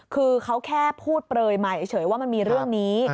คือเขาแค่พูดเปลยใหม่เฉยว่ามันมีเรื่องนี้